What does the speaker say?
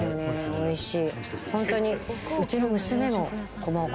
おいしい。